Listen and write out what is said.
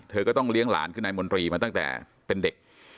เธอก็ต้องเลี้ยงหลานคือนายมนตรีมาตั้งแต่เป็นเด็ก